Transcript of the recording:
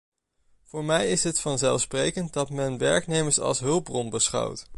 Voor mij is het vanzelfsprekend dat men werknemers als een hulpbron beschouwt.